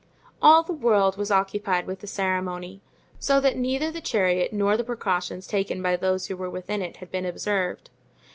All the world was occupied with the ceremony, so that neither the chariot nor the precautions taken by those who were within it had been observed.